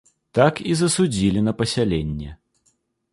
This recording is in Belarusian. Так і засудзілі на пасяленне.